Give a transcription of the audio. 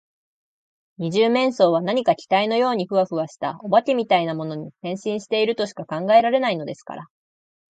二十面相は何か気体のようにフワフワした、お化けみたいなものに、変身しているとしか考えられないのですから。